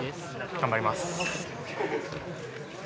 頑張ります。